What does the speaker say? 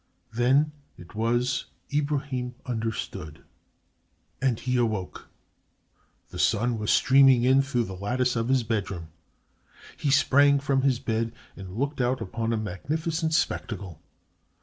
Then it was Ibrahim understood and he awoke. The sun was streaming in through the lattice of his bedroom. He sprang from his bed and looked out upon a magnificent spectacle.